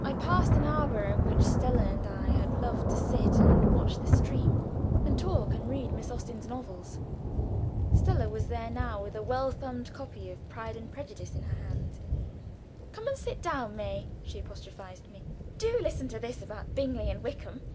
I passed an arbor in which Stella and I had loved to sit and watch the stream, and talk and read Miss Austen's novels. Stella was there now, with a well thumbed copy of "Pride and Prejudice" in her hand. "Come and sit down, May," she apostrophized me. "Do listen to this about Bingley and Wickham."